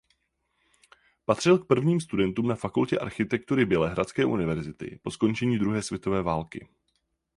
Patřil k prvním studentům na Fakultě architektury Bělehradské univerzity po skončení druhé světové války.